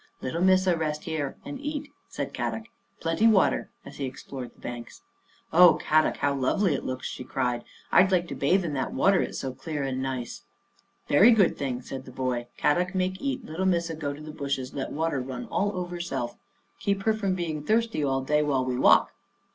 V Little Missa rest and eat here," said Kadok. " Plenty water," as he explored the banks. " Oh, Kadok, how lovely it looks," she cried. " I'd like to bathe in that water, it's so clear and nice." Dandy Saves the Day 1 21 " Very good thing," said the boy. " Kadok make eat, Little Missa go to the bushes let water run all over self. Keep her from being thirsty all day while we walk."